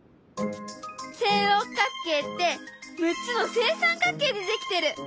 正六角形って６つの正三角形で出来てる！